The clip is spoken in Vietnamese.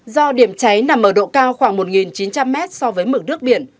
do điểm cháy nằm ở độ cao khoảng một chín trăm linh mét so với mực nước biển